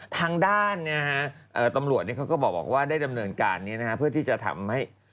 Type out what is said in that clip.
ทางด้านตำรวจเขาก็บอกว่าได้ดำเนินการนี้นะฮะเพื่อที่จะทำให้